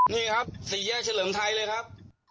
นี่ครับสี่แยกเฉลิมไทยเลยครับ